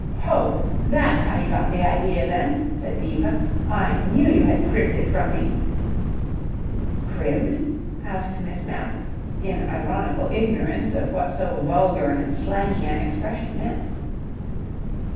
"Ho! That's how you got the idea then," said Diva. "I knew you had cribbed it from me." "Cribbed?" asked Miss Mapp, in ironical ignorance of what so vulgar and slangy an expression meant.